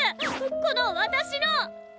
この私の！